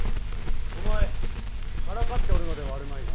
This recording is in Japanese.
お前からかっておるのではあるまいな？